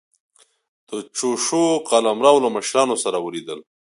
د چوشو قلمرو له مشرانو سره ولیدل.